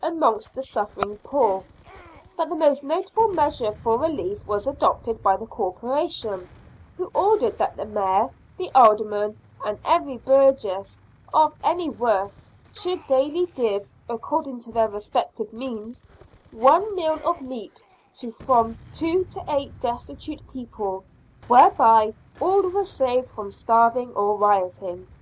109 amongst the suffering poor, but the most notable measure for relief was adopted by the Corporation, who ordered that the Mayor, the Aldermen, and every burgess " of any worth " should daily give, according to their respective means, one meal of meat to from two to eight destitute people, whereby all were saved from starving or rioting.